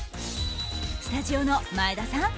スタジオの前田さん